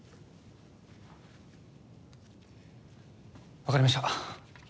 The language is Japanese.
分かりました。